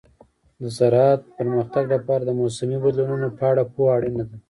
د زراعت پرمختګ لپاره د موسمي بدلونونو په اړه پوهه اړینه ده.